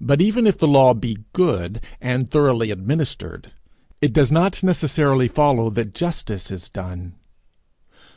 But even if the law be good, and thoroughly administered, it does not necessarily follow that justice is done.